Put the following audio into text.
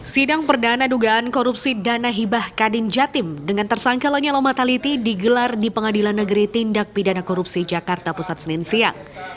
sidang perdana dugaan korupsi dana hibah kadin jatim dengan tersangka lanyala mataliti digelar di pengadilan negeri tindak pidana korupsi jakarta pusat senin siang